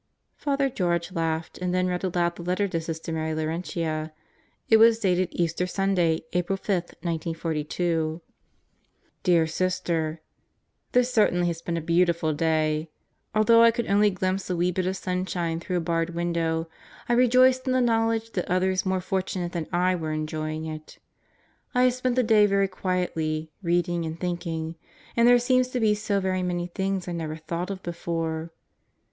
Father George laughed and then read aloud the letter to Sister Mary Laurentia. It was dated Easter Sunday, April 5, 1942. Dear Sister: This certainly has been a beautiful day. Although I could only glimpse a wee bit of sunshine through a barred window, I rejoiced in the knowledge that others more fortunate than I were enjoying it. I have spent the day very quietly, reading and thinking; and there seems to be so very many things I never thought of before.